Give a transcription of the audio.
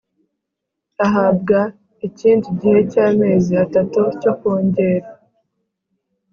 ahabwa ikindi gihe cy amezi atatu cyo kongera